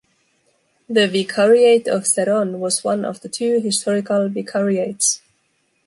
The Vicariate of Serón was one of the two historical vicariates.